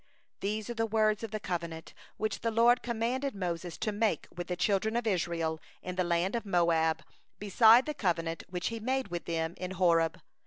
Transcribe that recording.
69These are the words of the covenant which the LORD commanded Moses to make with the children of Israel in the land of Moab, beside the covenant which He made with them in Horeb.